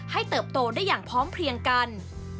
เติบโตได้อย่างพร้อมเพลียงกัน